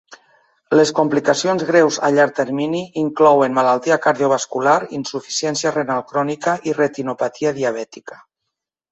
Les complicacions greus a llarg termini inclouen malaltia cardiovascular, insuficiència renal crònica i retinopatia diabètica.